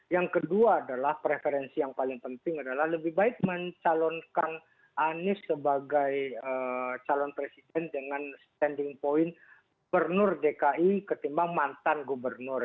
yang kedua adalah preferensi yang paling penting adalah lebih baik mencalonkan anies sebagai calon presiden dengan standing point bernur dki ketimbang mantan gubernur